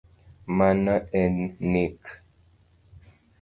Mano en nik